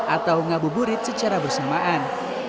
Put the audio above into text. atau ngabuburit secara bersamaan